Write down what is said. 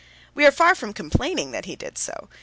We are far from complaining that he did so.